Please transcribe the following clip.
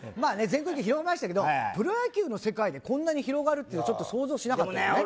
全国的に広まりましたけどプロ野球の世界でこんなに広がるっての想像しなかったよね